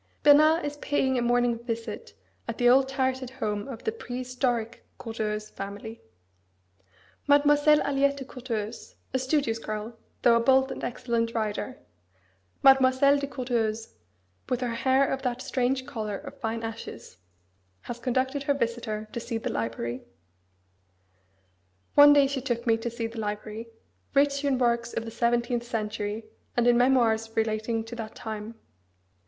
Bernard is paying a morning visit at the old turreted home of the "prehistoric" Courteheuse family. Mademoiselle Aliette de Courteheuse, a studious girl, though a bold and excellent rider Mademoiselle de Courteheuse, "with her hair of that strange colour of fine ashes" has conducted her visitor to see the library: One day she took me to see the library, rich in works of the seventeenth century and in memoirs relating to that time.